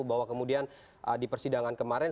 bahwa kemudian di persidangan kemarin